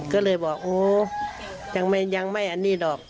ก็เลยบอกโอ้ยังไม่อันนี้หรอก